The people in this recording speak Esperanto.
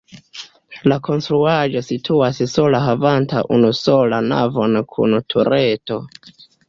La konstruaĵo situas sola havanta unusolan navon kun tureto.